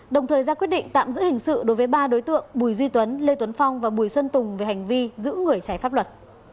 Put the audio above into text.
đồng thời ra quyết định tạm giữ hình sự đối với ba đối tượng bùi duy tuấn lê tuấn phong và bùi xuân tùng về hành vi giữ người trái pháp luật